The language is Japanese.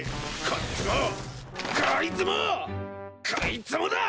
こいつもだ！